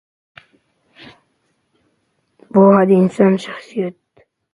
پوهه د انسان شخصیت بشپړوي.